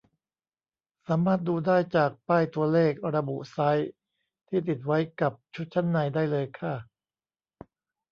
สามารถดูได้จากป้ายตัวเลขระบุไซซ์ที่ติดไว้กับชุดชั้นในได้เลยค่ะ